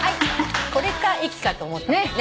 これか『駅』かと思った。